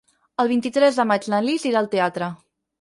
El vint-i-tres de maig na Lis irà al teatre.